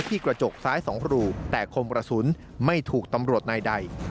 กระจกซ้าย๒รูแต่คมกระสุนไม่ถูกตำรวจนายใด